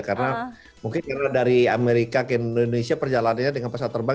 karena mungkin dari amerika ke indonesia perjalanannya dengan pesawat terbang